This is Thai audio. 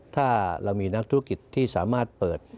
ถ้าเรามีนักธุรกิจที่สามารถเปิด